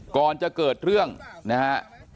ก่อนจะเกิดเรื่องนะฮะ